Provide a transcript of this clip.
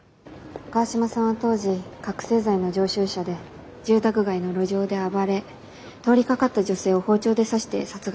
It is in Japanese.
川島さんは当時覚醒剤の常習者で住宅街の路上で暴れ通りかかった女性を包丁で刺して殺害しています。